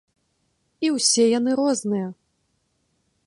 І ўсе яны розныя.